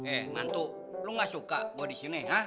eh mantu lo nggak suka gua di sini ha